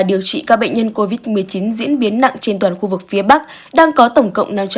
điều trị các bệnh nhân covid một mươi chín diễn biến nặng trên toàn khu vực phía bắc đang có tổng cộng